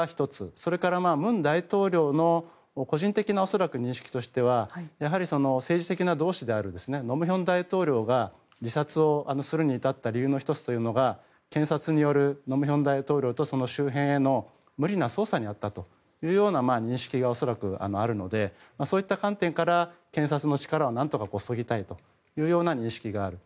それから、文大統領の恐らく個人的な認識としてはやはり政治的な同志である盧武鉉大統領が自殺をするに至った理由の１つというのが検察による盧武鉉大統領とその周辺への無理な捜査にあったという認識が恐らく、あるのでそういった観点から検察の力をなんとかそぎたいという認識があると。